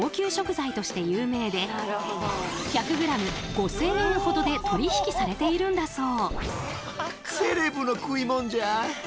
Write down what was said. ５，０００円ほどで取り引きされているんだそう。